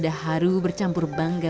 ada haru bercampur bangga